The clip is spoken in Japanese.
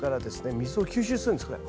水を吸収するんですこれ。